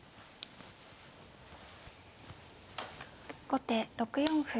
後手６四歩。